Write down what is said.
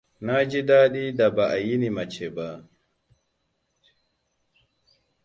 Na ji dadi da ba a yi ni mace na.